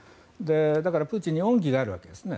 だから、プーチンに恩義があるわけですね。